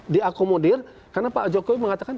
diakomodir karena pak jokowi mengatakan